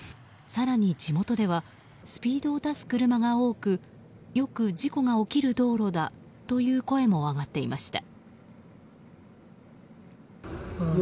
更に地元ではスピードを出す車が多くよく事故が起きる道路だという声も上がっていました。